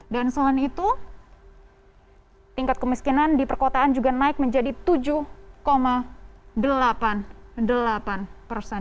dan selain itu tingkat kemiskinan di perkotaan juga naik menjadi tujuh delapan puluh delapan persen